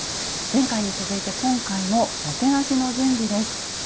前回に続いて今回ももてなしの準備です。